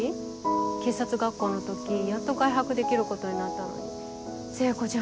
警察学校の時やっと外泊できることになったのに聖子ちゃん